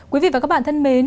quý vị và các bạn thân mến